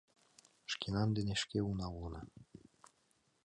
Шкенан дене шке уна улына.